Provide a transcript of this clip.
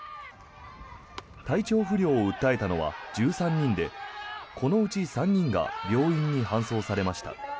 体調不良を訴えたのは１３人でこのうち３人が病院に搬送されました。